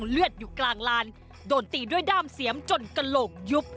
เลือดอยู่กลางลานโดนตีด้วยด้ามเสียมจนกระโหลกยุบ